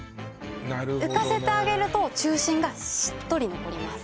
なるほどね浮かせて揚げると中心がしっとり残ります